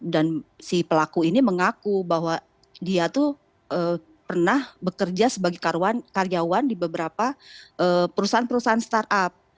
dan si pelaku ini mengaku bahwa dia tuh pernah bekerja sebagai karyawan di beberapa perusahaan perusahaan startup